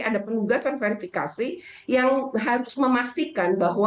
ada penugasan verifikasi yang harus memastikan bahwa